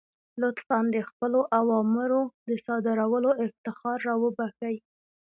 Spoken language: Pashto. لطفا د خپلو اوامرو د صادرولو افتخار را وبخښئ.